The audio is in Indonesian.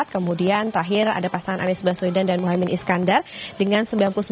kemudian terakhir ada pasangan anies basuiden dan mohamad iskandar dengan sembilan puluh sembilan dua ratus tiga puluh tiga